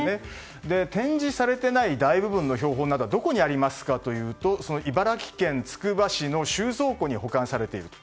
展示されていない大部分の標本などはどこにありますかというと茨城県つくば市の収蔵庫に保管されていると。